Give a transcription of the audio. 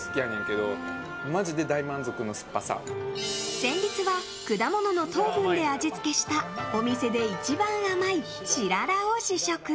戦慄は果物の糖分で味付けしたお店で一番甘い、しららを試食。